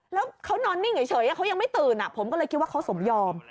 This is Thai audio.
แล้วเขานอนนิ่งเฉยเขายังไม่ตื่นผมก็เลยคิดว่าเขาสมยอม